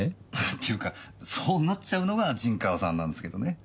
っていうかそうなっちゃうのが陣川さんなんすけどね。